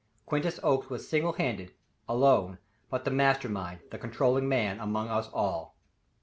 Quintus Oakes was single handed, alone, but the master mind, the controlling man among us all.